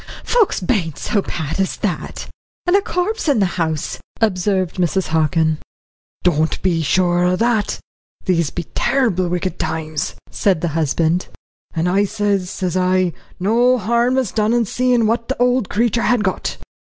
"Folks bain't so bad as that, and a corpse in the house," observed Mrs. Hockin. "Don't be sure o' that these be terrible wicked times," said the husband. "And I sez, sez I, no harm is done in seein' what the old creetur had got."